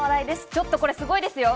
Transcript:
ちょっと、これすごいです。